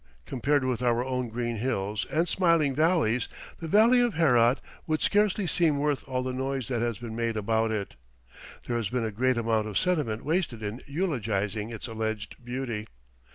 Compared with our own green hills and smiling valleys, the Valley of Herat would scarcely seem worth all the noise that has been made about it. There has been a great amount of sentiment wasted in eulogizing its alleged beauty.